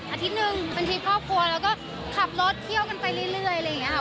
อาทิตย์หนึ่งอาทิตย์ครอบครัวแล้วก็ขับรถเที่ยวกันไปเรื่อยอะไรอย่างนี้ค่ะ